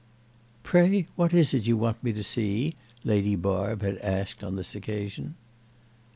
"Pray what is it you want me to see?" Lady Barb had asked on this occasion.